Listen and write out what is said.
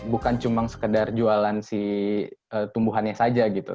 bukan cuma sekedar jualan si tumbuhannya saja gitu